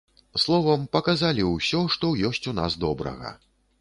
Словам, паказалі ўсё, што ёсць у нас добрага.